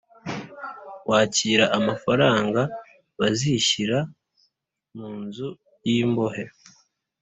Wakira amafaranga bazishyira mu nzu y’imbohe